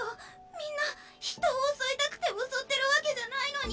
みんな人を襲いたくて襲ってるわけじゃないのに。